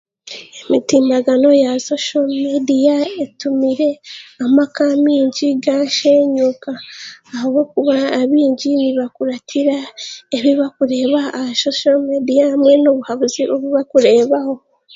Emitimbagano ya soshomeediya etumiire amaaka mingi gaashenyuuka ahabwokuba abingi nibakuratiira ebi barikureeba aha soshomeediya hamwe n'obuhabuzi obu bakureebaho.